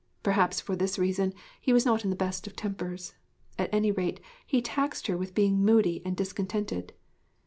Perhaps for this reason he was not in the best of tempers; at any rate he taxed her with being moody and discontented.